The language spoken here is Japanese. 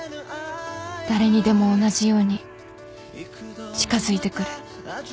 誰にでも同じように近づいてくる